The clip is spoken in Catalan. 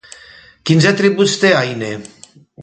Quins atributs té Áine?